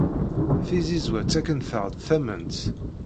Tizizwa ttakent-aɣ-d tament.